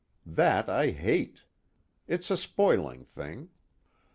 That I hate. It's a spoiling thing.